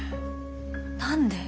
何で？